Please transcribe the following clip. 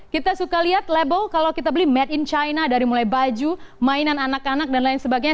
kita suka lihat label kalau kita beli made in china dari mulai baju mainan anak anak dan lain sebagainya